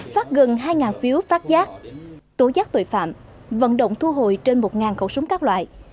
phát gần hai phiếu phát giác tố giác tội phạm vận động thu hồi trên một khẩu súng các loại